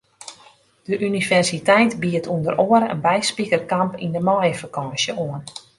De universiteit biedt ûnder oare in byspikerkamp yn de maaiefakânsje oan.